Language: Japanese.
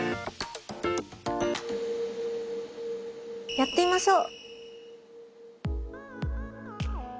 やってみましょう。